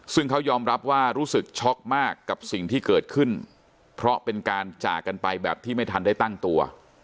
ซึ่งเขายอมรับว่ารู้สึกช็อกมากกับสิ่งที่เกิดขึ้นเพราะเป็นการจากกันไปแบบที่ไม่ทันได้ตั้งตัว